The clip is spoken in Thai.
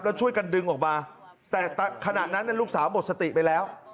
แล้วช่วยกันดึงออกมาแต่ขณะนั้นลูกสาวหมดสติไปแล้ว